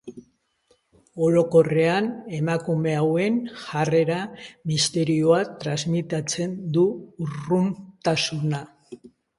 Orokorrean, emakume hauen jarrera misterioa transmititzen du, urruntasuna.